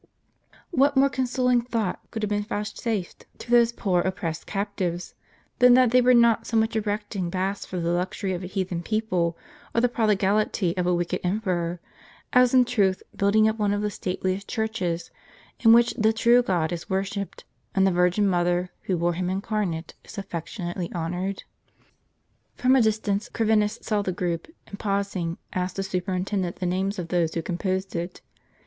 t What more consoling thought could have been vouchsafed to those poor oppressed captives, than that they were not so much erecting baths for the luxury of a heathen people, or the prodigality of a wicked emperor, as in truth building up one of the stateliest churches in which the true God is worshipped, and the Virgin Mother, who bore Him incarnate, is affectionately honored ? From a distance Corvinus saw the group ; and pausing, asked the superintendent the names of those who composed it.